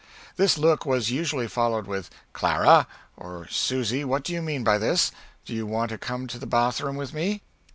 This look was usually followed with "Clara" or "Susy what do you mean by this? do you want to come to the bath room with me?"